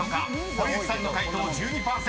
［堀内さんの解答１２％］